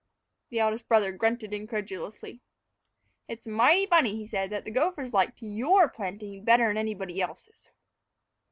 The eldest brother grunted incredulously. "It's mighty funny," he said, "that the gophers liked your planting better 'n anybody else's."